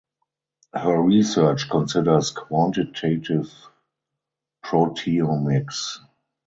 Her research considers quantitative proteomics.